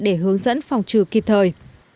để hướng dẫn phòng trừ kịp thời